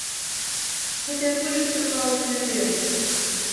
Гэта як вучыцца плаваць на беразе.